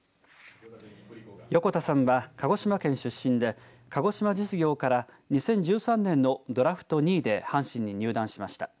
横田さんは鹿児島県出身で鹿児島実業から２０１３年のドラフト２位で阪神に入団しました。